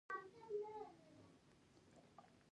ځوان څه لارښوونه غواړي؟